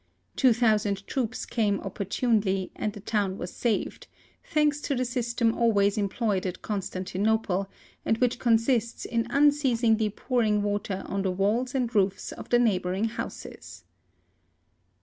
Two thou sand troops came opportunely, and the town was saved — thanks to the system always employed at Constantinople, and which con F 82 HISTORY OF sists in unceasingly pouring water on the walls and roofs of the neighbouring houses.